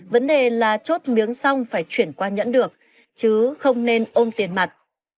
vấn đề là chốt miếng xong phải chuyển qua nhẫn được chứ không nên ôm tiền mặt